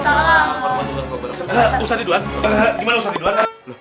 gimana ustadz iduan